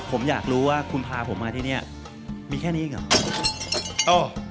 ผมอยากรู้ว่าคุณพาผมมาที่นี่มีแค่นี้เองเหรอ